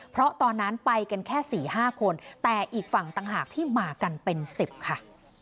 เพราะตอนนั้นไปกันแค่๔๕คนแต่อีกฝั่งต่างหากที่มากันเป็น๑๐ค่ะ